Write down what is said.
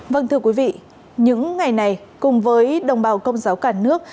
vâng thưa quý vị những ngày này cùng với đồng bào công giáo cả nước